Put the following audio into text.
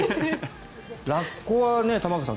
ラッコは玉川さん